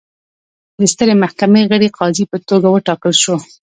د سترې محکمې غړي قاضي په توګه وټاکل شو.